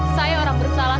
saya orang bersalah